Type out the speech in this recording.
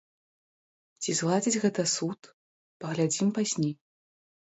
Ці згладзіць гэта суд, паглядзім пазней.